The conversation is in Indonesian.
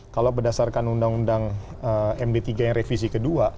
kalau berdasarkan undang undang md tiga yang revisi kedua